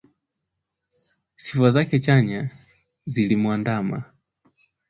Sifa zake chanya zilimwandama